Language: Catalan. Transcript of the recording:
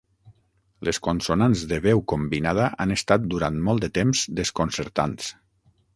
Les consonants de veu combinada han estat durant molt de temps desconcertants.